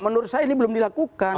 menurut saya ini belum dilakukan